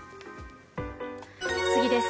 次です。